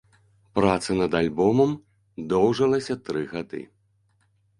Праца над альбомам доўжылася тры гады.